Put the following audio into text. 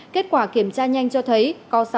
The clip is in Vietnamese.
kết quả kiểm tra nhanh cho thấy có sáu